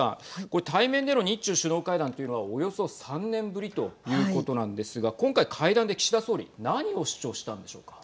これ対面での日中首脳会談というのはおよそ３年ぶりということなんですが今回、会談で岸田総理何を主張したんでしょうか。